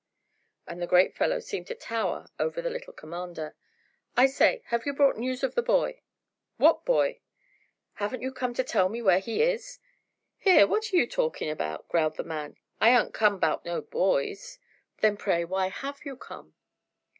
And the great fellow seemed to tower over the little commander. "I say, have you brought news of the boy?" "What boy?" "Haven't you come to tell me where he is?" "Here, what yer talking about?" growled the man. "I aren't come 'bout no boys." "Then, pray, why have you come?"